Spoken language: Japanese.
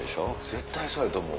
絶対そうやと思う。